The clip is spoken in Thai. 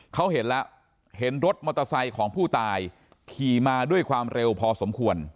เขาเห็นแล้วเห็นรถมอเตอร์ไซค์ของผู้ตายขี่มาด้วยความเร็วพอสมควร